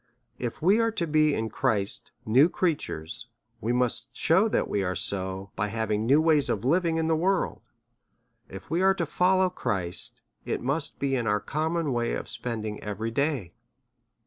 If we are to be in Christ new creatures, we must shew that we are so by having; new ways of living in the world. If we are to follow Christ, it must be in our common way of spending every day.